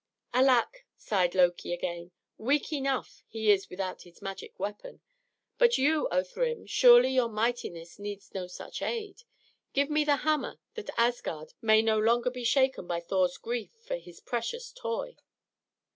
"Alack!" sighed Loki again, "weak enough he is without his magic weapon. But you, O Thrym surely your mightiness needs no such aid. Give me the hammer, that Asgard may no longer be shaken by Thor's grief for his precious toy."